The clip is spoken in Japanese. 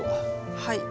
はい。